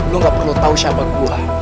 lu gak perlu tau siapa gue